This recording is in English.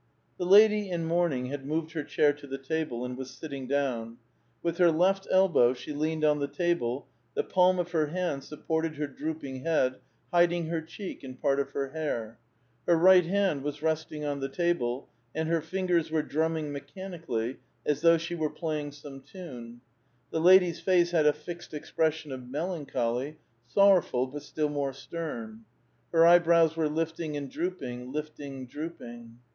The lady in mourning had moved her chair to the table, and was sitting down: with her left elbow she leaned on the table, the palm of her hand supported her drooping head, hiding her cheek and part of her hair. Her right hand was resting on the table, and her fingers were drumming me chanically, as though she were playing some tune. The lady's face had a fixed expression of melancholy, sorrowful but still more stem. Her eyebrows were lifting and droop ing, lifting, drooping.